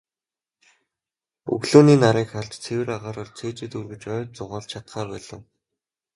Өглөөний нарыг харж, цэвэр агаараар цээжээ дүүргэж, ойд зугаалж чадахаа болив.